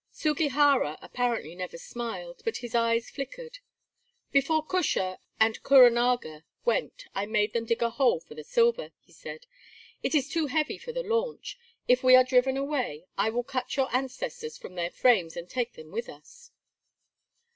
Sugihara, apparently, never smiled, but his eyes flickered. "Before Cusha and Kuranaga went I made them dig a hole for the silver," he said. "It is too heavy for the launch. If we are driven away, I will cut your ancestors from their frames and take them with us."